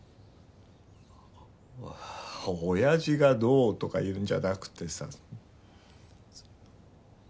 おやじがどうとかいうんじゃなくてさ。